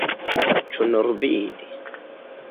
Ĉu nur vidi?